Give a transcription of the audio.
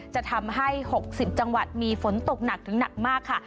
จะทำให้๖๐จังหวัดมีฝนตกหนักถึงหนักมากค่ะ